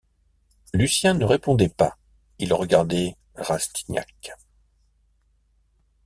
Lucien ne répondait pas, il regardait Rastignac.